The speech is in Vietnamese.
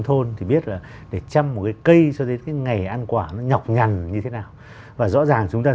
thôn thì biết là để chăm một cái cây cho đến cái ngày ăn quả nó nhọc nhằn như thế nào và rõ ràng chúng ta